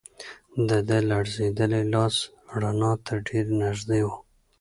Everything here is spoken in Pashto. د ده لړزېدلی لاس رڼا ته ډېر نږدې و.